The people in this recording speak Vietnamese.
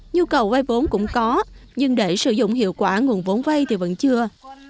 nhu cầu vay vốn cũng có nhưng để sử dụng hiệu quả nguồn vốn vay thì vẫn chưa